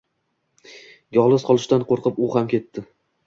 Yolg‘iz qolishdan qo‘rqib, u ham ketdi.